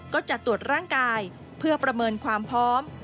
ก็จะตรวจร่างกายเพื่อประเมินความพร้อม